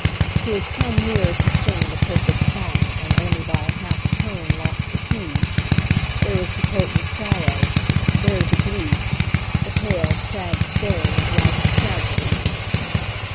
To have come near to sing the perfect song And only by a half tone lost the key, There is the potent sorrow, there the grief, The pale, sad staring of life's tragedy.